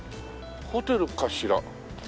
ホテルかしら？